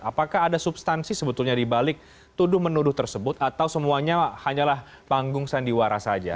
apakah ada substansi sebetulnya dibalik tuduh menuduh tersebut atau semuanya hanyalah panggung sandiwara saja